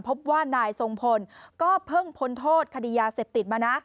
พบว่านายทรงพลก็เพิ่งพ้นโทษคดียาเสพติดมานะ